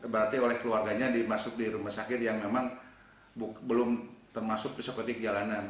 berarti oleh keluarganya dimasuk di rumah sakit yang memang belum termasuk eksekutif jalanan